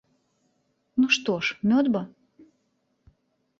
Ну, што ж мёд бо?